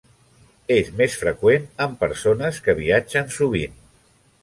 És més freqüent en persones que viatgen sovint.